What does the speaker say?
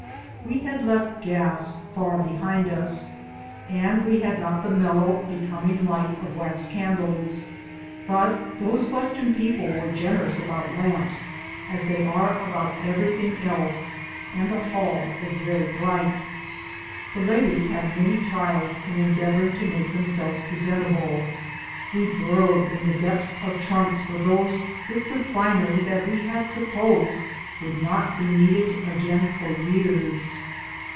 We had left gas far behind us, and we had not the mellow, becoming light of wax candles, but those Western people were generous about lamps, as they are about everything else, and the hall was very bright. The ladies had many trials in endeavoring to make themselves presentable. We burrowed in the deptlis of trunks for those bits of finery that we had supposed would not be needed again for years.